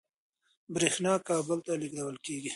برېښنا کابل ته لېږدول کېږي.